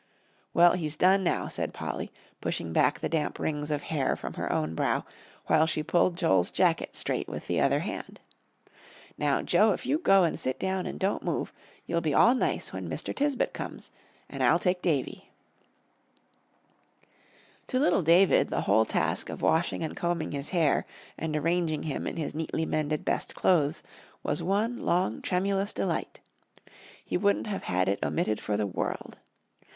"Well, he's done now," said Polly, pushing back the damp rings of hair from her own brow, while she pulled Joel's jacket straight with the other hand. "Now, Joe, if you go and sit down and don't move, you'll be all nice when Mr. Tisbett comes; and I'll take Davie." To little David the whole task of washing and combing his hair, and arranging him in his neatly mended best clothes, was one long, tremulous delight. He wouldn't have had it omitted for the world.